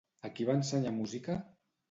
A qui va ensenyar música?